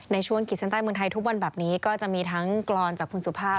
ในช่วงขีดเส้นใต้เมืองไทยทุกวันแบบนี้ก็จะมีทั้งกรอนจากคุณสุภาพ